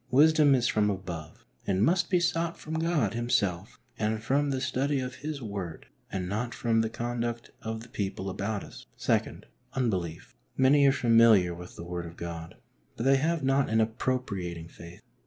Wisdom is from above, and must be sought from God Himself and from the study of His Word, and not from the conduct of the people about us. II. U^ibelief, Many are familiar with the Word of God, but they have not an appropriating faith.